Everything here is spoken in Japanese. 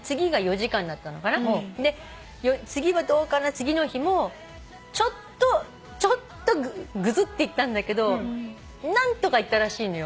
次の日もちょっとぐずって行ったんだけど何とか行ったらしいのよ。